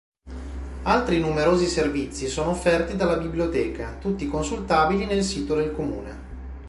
Altri numerosi servizi sono offerti dalla biblioteca, tutti consultabili nel sito del Comune.